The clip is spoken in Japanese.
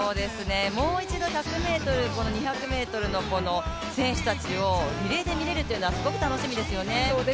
もう一度１００ｍ、２００ｍの選手たちをリレーで見られるというのはすごく楽しみですよね。